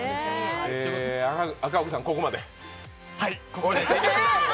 赤荻さん、ここまで。